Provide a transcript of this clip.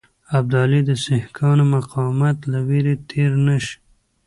ابدالي د سیکهانو مقاومت له وېرې تېر نه شي.